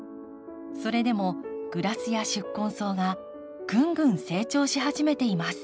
それでもグラスや宿根草がぐんぐん成長し始めています。